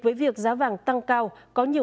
với việc giá vàng tăng cao có nhiều